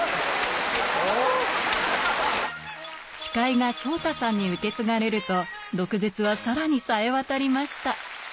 司会が昇太さんに受け継がれると、毒舌はさらにさえ渡りました。